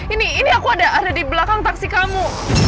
ini ini aku ada di belakang taksi kamu